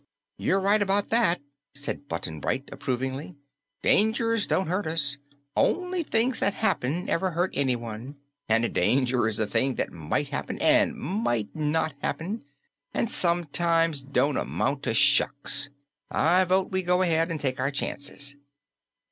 "You're right about that," said Button Bright approvingly. "Dangers don't hurt us. Only things that happen ever hurt anyone, and a danger is a thing that might happen and might not happen, and sometimes don't amount to shucks. I vote we go ahead and take our chances."